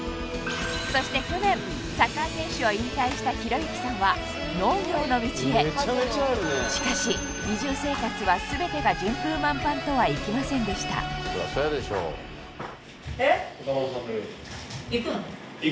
そして去年サッカー選手を引退した寛之さんはしかし移住生活は全てが順風満帆とはいきませんでしたえっ？